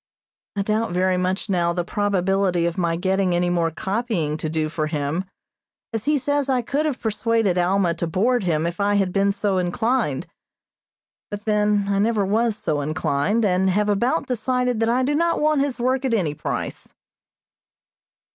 I doubt very much now the probability of my getting any more copying to do for him, as he says I could have persuaded Alma to board him if I had been so inclined; but then I never was so inclined, and have about decided that I do not want his work at any price.